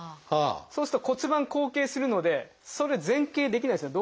そうすると骨盤後傾するのでそれ前傾できないですよね。